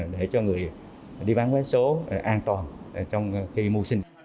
để cho người đi bán vé số an toàn trong khi mưu sinh